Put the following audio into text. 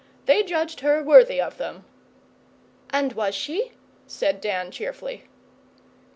They judged her worthy of them.' 'And was she?' said Dan cheerfully.